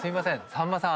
さんまさん。